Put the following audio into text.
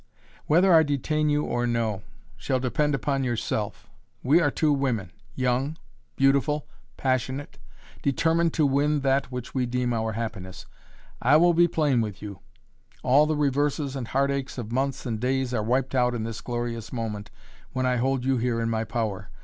"Whether I detain you or no shall depend upon yourself. We are two women young, beautiful passionate determined to win that which we deem our happiness. I will be plain with you. All the reverses and heartaches of months and days are wiped out in this glorious moment when I hold you here in my power.